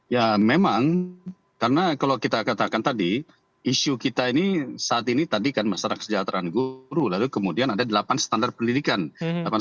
ya memang karena kalau kita katakan tadi isu kita ini saat ini tadi kan masalah kesejahteraan guru lalu kemudian ada delapan standar pendidikan